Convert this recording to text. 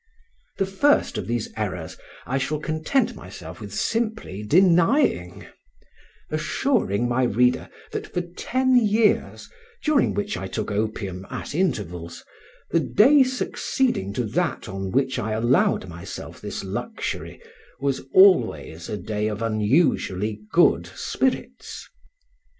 The first of these errors I shall content myself with simply denying; assuring my reader that for ten years, during which I took opium at intervals, the day succeeding to that on which I allowed myself this luxury was always a day of unusually good spirits.